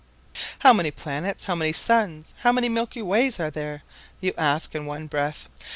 "How many planets, how many suns, how many milky ways are there?" you ask in one breath.